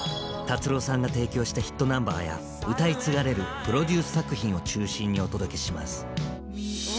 達郎さんが提供したヒットナンバーや歌い継がれるプロデュース作品を中心にお届けします。